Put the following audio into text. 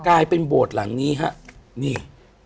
กลายเป็นโบสถ์หลังนี้ฮะนี่